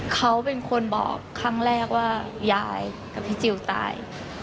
เขาเป็นคนบอกครั้งแรกว่ายายกับพี่จิลตาย